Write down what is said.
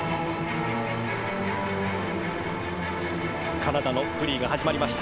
カナダのフリーが始まりました。